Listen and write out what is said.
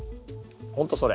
ほんとそれ。